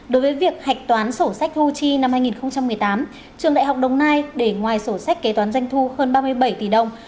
đối với việc hạch toán sổ sách thu chi năm hai nghìn một mươi tám trường đại học đồng nai để ngoài sổ sách kế toán doanh thu hơn ba mươi bảy tỷ đồng